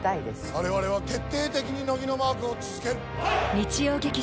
我々は徹底的に乃木のマークを続けるはい！